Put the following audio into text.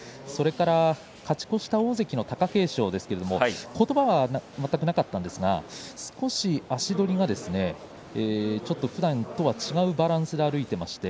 勝ち越した大関の貴景勝ですけれどもことばは全くなかったんですが少し足取りがふだんとは違うバランスで歩いていました。